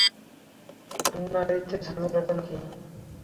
নারীত্বের ঝামেলাটা নাকি?